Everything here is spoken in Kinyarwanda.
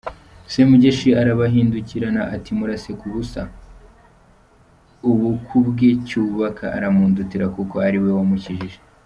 Semugeshi arabahindukirana ati "Muramuseka ubusa, ubu ku bwe Cyubaka aramundutira kuko ari we wamukijije.